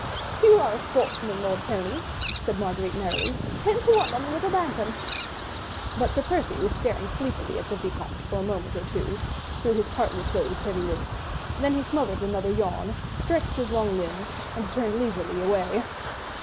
"You are a sportsman, Lord Tony," said Marguerite, merrily; "ten to one on the little bantam." But Sir Percy was staring sleepily at the Vicomte for a moment or two, through his partly closed heavy lids, then he smothered another yawn, stretched his long limbs, and turned leisurely away.